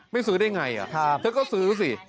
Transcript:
ไม่ซื้อได้อย่างไรเธอก็ซื้อสิ